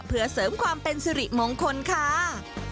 เพื่อเสริมความเป็นสิริมงคลค่ะ